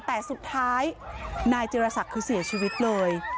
แต่สุดท้ายนายจิรศักดิ์คือเสียชีวิตเลย